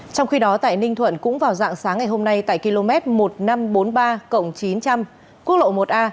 trong khi đó tại ninh thuận cũng vào dạng sáng ngày hôm nay tại km một nghìn năm trăm bốn mươi ba chín trăm linh quốc lộ một a